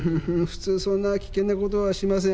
普通そんな危険なことはしません。